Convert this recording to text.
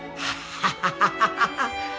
ハハハハハハ。